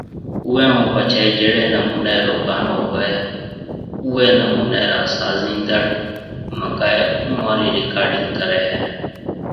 اوئي ھونپڇي جھڙي نموني رو گانو ھوئي اوئي نموني را سازيندڙ منگائي اوئون رِي رڪارڊنگ ڪري ھيَََ